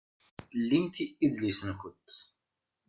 Ldimt idlisen-nkent!